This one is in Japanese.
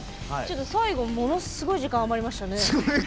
最後、ものすごい時間余りましたね。